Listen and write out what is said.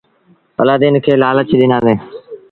الآدين کي لآلچ ڏنآندي۔